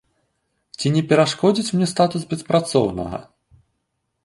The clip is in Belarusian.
Ці не перашкодзіць мне статус беспрацоўнага?